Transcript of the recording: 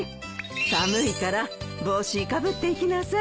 寒いから帽子かぶっていきなさい。